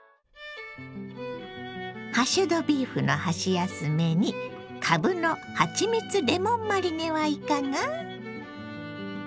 ハッシュドビーフの箸休めにかぶのはちみつレモンマリネはいかが？